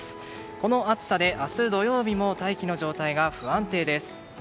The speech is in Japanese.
この暑さで、明日土曜日も大気の状態が不安定です。